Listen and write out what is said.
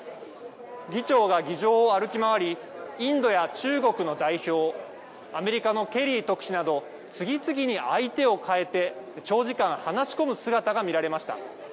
議長が議場を歩き回り、インドや中国の代表、アメリカのケリー特使など、次々に相手を代えて長時間話し込む姿が見られました。